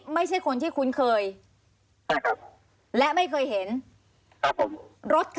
ไม่คุ้นเลยเหรอคะ